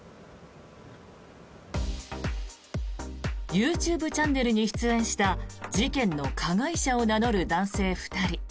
ＹｏｕＴｕｂｅチャンネルに出演した事件の加害者を名乗る男性２人。